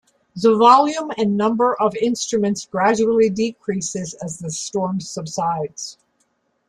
The volume and number of instruments gradually decreases as the storm subsides.